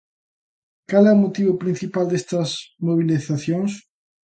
Cal é o motivo principal destas mobilizacións?